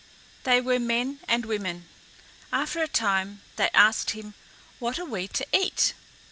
They were men and women. After a time they asked him, "What are we to eat?"